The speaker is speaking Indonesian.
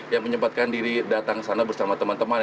yang menyempatkan diri datang ke sana bersama teman teman